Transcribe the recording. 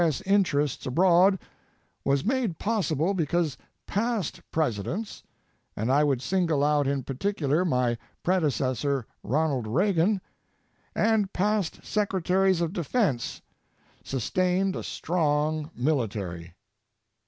S. interests abroad was made possible because past Presidents, and I would single out in particular my predecessor, Ronald Reagan, and past Secretaries of Defense sustained a strong military.